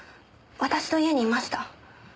私と家にいました。